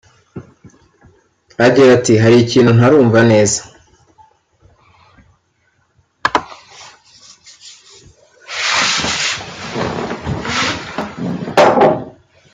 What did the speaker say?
Agira ati “Hari ikintu ntarumva neza